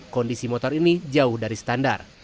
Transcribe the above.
kondisi motor ini jauh dari standar